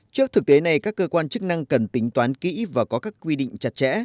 trước thực tế này các cơ quan chức năng cần tính toán kỹ và có các quy định chặt chẽ